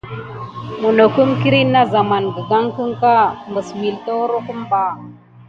Minokum kirine na zamane higaka mis hidasinat kupasine.